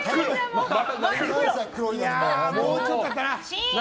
もうちょっとだったな。